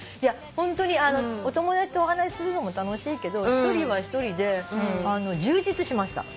ホントにお友達とお話しするのも楽しいけど１人は１人で充実しました。